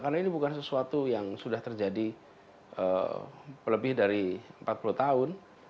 karena ini bukan sesuatu yang sudah terjadi lebih dari empat puluh tahun